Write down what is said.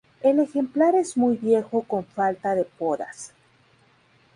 El ejemplar es muy viejo con falta de podas.